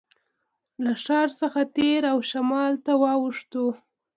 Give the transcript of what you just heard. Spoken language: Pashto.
له ښار څخه تېر او شمال ته واوښتو.